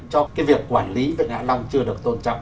cho cái việc quản lý vịnh hạ long chưa được tôn trọng